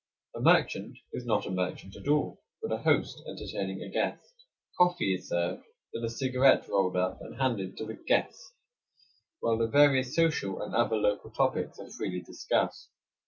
A merchant is not a merchant at all, but a host entertaining a guest. Coffee is served; then a cigarette rolled up and handed to the "guest," while the various social and other local topics are freely discussed.